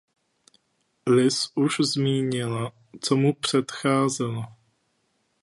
Liz už zmínila, co mu předcházelo.